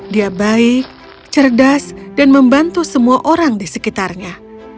dia baik cerdas dan membantu semua orang di sekitarnya